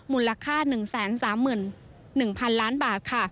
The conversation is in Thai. มูลค่า๑๓๑๐๐๐ล้านบาทค่ะ